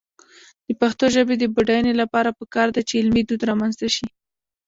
د پښتو ژبې د بډاینې لپاره پکار ده چې علمي دود رامنځته شي.